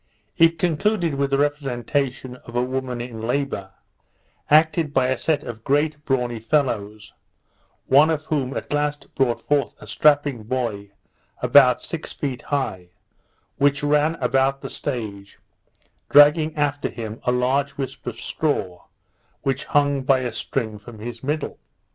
It concluded with the representation of a woman in labour, acted by a set of great brawny fellows, one of whom at last brought forth a strapping boy, about six feet high, who ran about the stage, dragging after him a large wisp of straw which hung by a string from his middle.